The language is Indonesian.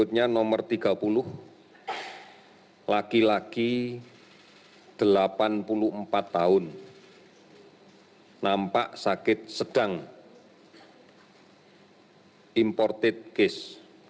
berikutnya nomor tiga puluh laki laki delapan puluh empat tahun nampak sakit sedang imported case